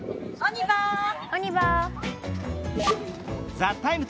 「ＴＨＥＴＩＭＥ，」